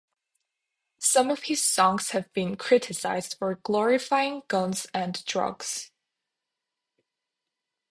Some of his songs have been criticised for glorifying guns and drugs.